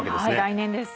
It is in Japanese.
来年です。